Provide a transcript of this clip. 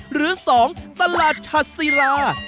หรือ๒ตลาดชัดซีรา